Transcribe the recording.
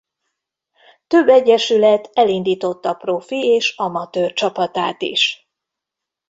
Több egyesület elindította profi és amatőr csapatát is.